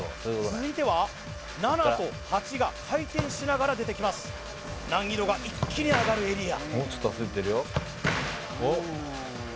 続いては７と８が回転しながら出てきます難易度が一気に上がるエリア